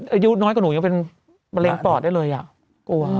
อายุน้อยกว่าหนูยังเป็นมะเร็งปอดได้เลยอ่ะกลัว